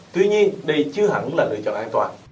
tuy nhiên đây chưa hẳn là lựa chọn an toàn